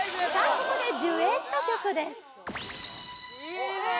ここでデュエット曲です・いいね！